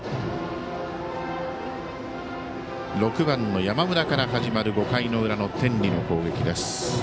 ６番の山村から始まる５回の裏の天理の攻撃です。